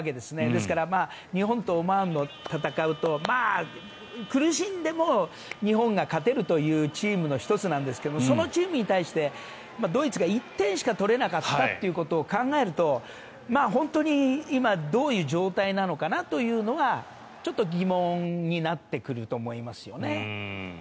ですから日本とオマーンが戦うと苦しんでも日本が勝てるというチームの１つなんですがそのチームに対してドイツが１点しか取れなかったということを考えると本当に今どういう状態なのかなというのはちょっと疑問になってくると思いますよね。